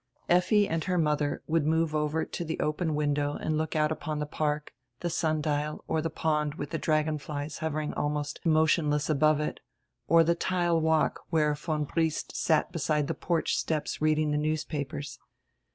Effi and her modier would move over to die open window and look out upon die park, die sundial, or die pond widi die dragon dies hovering almost motionless above it, or die tile walk, where von Briest sat beside the porch steps read ing die newspapers.